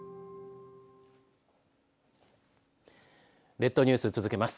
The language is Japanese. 列島ニュース、続けます。